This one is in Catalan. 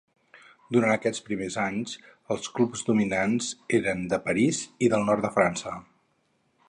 Durant aquests primers anys els clubs dominants eren de París i del nord de França.